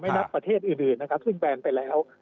นักประเทศอื่นนะครับซึ่งแบนไปแล้ว